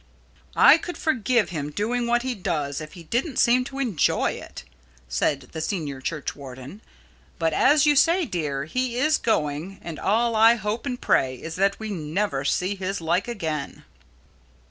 "I could forgive him doing what he does if he didn't seem to enjoy it," said the senior churchwarden. "But, as you say, dear, he is going, and all I hope and pray is that we never see his like again."